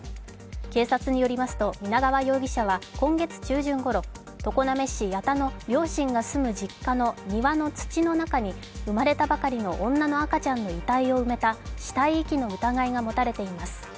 警察によりますと皆川容疑者は今月中旬ごろ常滑市矢田の両親が住む実家の庭の土の中に生まれたばかりの女の赤ちゃんの遺体を埋めた死体遺棄の疑いが持たれています。